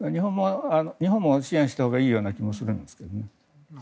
日本も支援したほうがいいような気もするんですけどね。